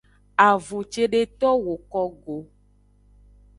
Avun cedeto woko go.